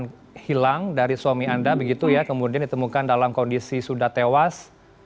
dan hilang dari suami anda begitu ya kemudian ditemukan dalam kondisi sudah tewas